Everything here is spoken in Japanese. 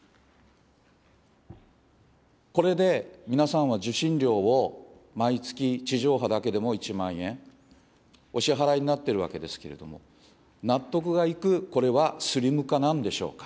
これで皆さんは受信料を毎月、地上波だけでも１万円、お支払いになってるわけですけれども、納得がいく、これはスリム化なんでしょうか。